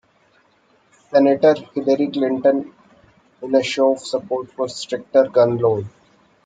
Senator Hillary Clinton in a show of support for stricter gun laws.